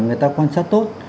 người ta quan sát tốt